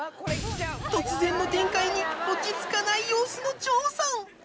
突然の展開に落ち着かない様子の城さん